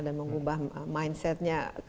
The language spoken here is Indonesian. dan mengubah mindsetnya